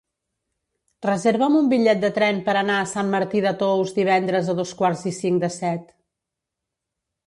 Reserva'm un bitllet de tren per anar a Sant Martí de Tous divendres a dos quarts i cinc de set.